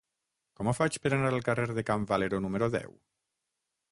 Com ho faig per anar al carrer de Can Valero número deu?